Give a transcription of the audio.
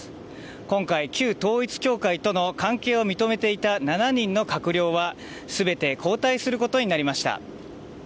今回、旧統一教会との関係を認めていた７人の閣僚は全て交代することになりました。